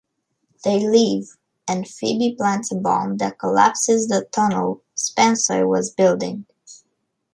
They leave, and Phoebe plants a bomb that collapses a tunnel Spencer was building.